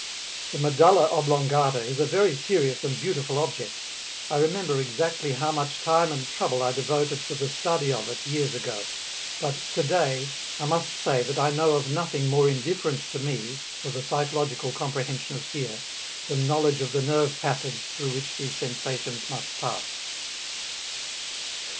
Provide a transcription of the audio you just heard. The medulla oblongata is a very serious and beautiful object. I remember exactly how much time and trouble I devoted to the study of it, years ago. But today I must say that I know of nothing more indifferent to me for the psychological comprehension of fear, than knowledge of the nerve passage through which these sensations must pass.